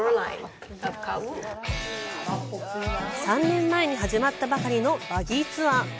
３年前に始まったばかりのバギーツアー。